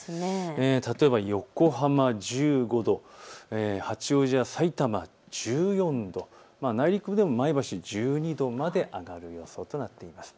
例えば横浜１５度、八王子やさいたま１４度、内陸部でも前橋１２度まで上がる予想となっています。